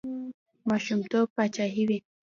ماشومتوب پاچاهي وي.